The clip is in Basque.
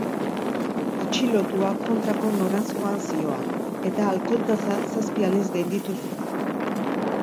Atxilotua kontrako noranzkoan zihoan, eta alkohol-tasa zazpi aldiz gainditu zuen.